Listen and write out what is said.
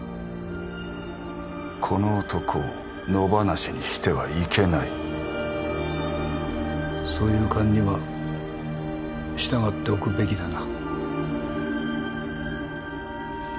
この男を野放しにしてはいけないそういう勘には従っておくべきだな